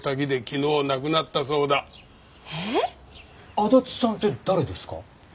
足立さんって誰ですか？